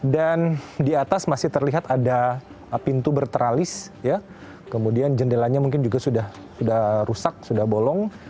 dan di atas masih terlihat ada pintu bertralis kemudian jendelanya mungkin juga sudah rusak sudah bolong